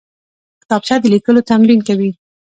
کتابچه د لیکلو تمرین کوي